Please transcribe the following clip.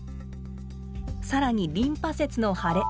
更にリンパ節の腫れ。